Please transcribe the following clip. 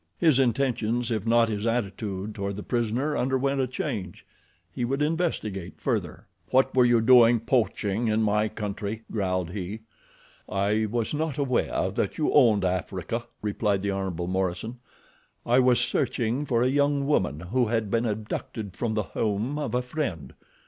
His intentions, if not his attitude toward the prisoner underwent a change—he would investigate further. "What were you doing poaching in my country?" growled he. "I was not aware that you owned Africa," replied the Hon. Morison. "I was searching for a young woman who had been abducted from the home of a friend.